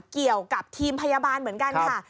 เกี่ยวกับทีมพยาบาลเหมือนกันค่ะ